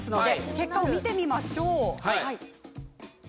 結果を見てみましょう。